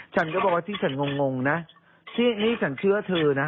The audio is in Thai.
ฉันก็บอกว่าที่ฉันงงนะที่นี่ฉันเชื่อเธอนะ